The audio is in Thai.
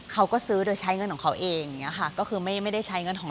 เขาก็ซื้อโดยใช้เงินของเขาเองอย่างเงี้ยค่ะก็คือไม่ได้ใช้เงินของ